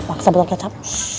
faksa butang kecap